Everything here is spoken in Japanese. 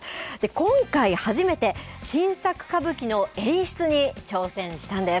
今回初めて新作歌舞伎の演出に挑戦したんです。